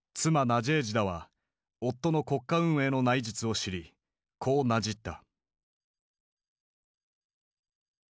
ナジェージダは夫の国家運営の内実を知りこうなじった。